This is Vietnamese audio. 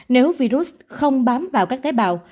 nếu virus không bám vào các tế bào